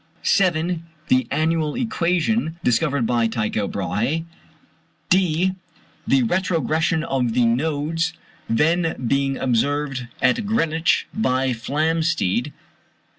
(c) The annual equation, discovered by Tycho Brahé. (d) The retrogression of the nodes, then being observed at Greenwich by Flamsteed.